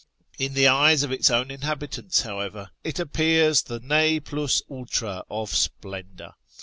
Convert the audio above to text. In the eyes of its own inhabitants, however, it appears the oic ^^/ws ultra of splendour.